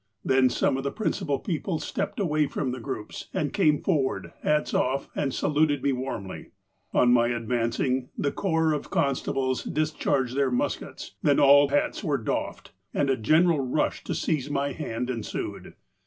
Then, some of the principal people stepped away from the groups, and came forward, hats off, and saluted me warmly. On my advancing, the corps of constables discharged their muskets ; then all hats were doffed, and a general rush to seize my hand ensued.